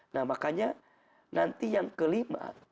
nah makanya nanti yang kelima